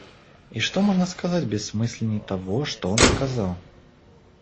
И что можно сказать бессмысленнее того, что он сказал?